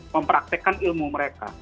mempraktekan ilmu mereka